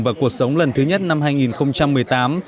và cuộc sống lần thứ nhất năm hai nghìn một mươi tám